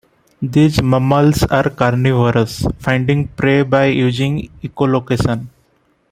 These mammals are carnivorous, finding prey by using echolocation.